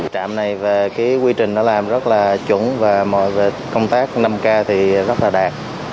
trạm này về cái quy trình nó làm rất là chuẩn và mọi công tác năm k thì rất là đạt